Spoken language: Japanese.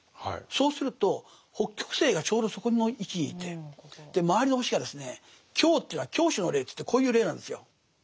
そうすると北極星がちょうどそこの位置にいて周りの星がですね「共」というのは拱手の礼といってこういう礼なんですよ。